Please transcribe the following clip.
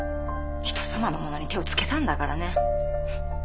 人様のものに手をつけたんだからね。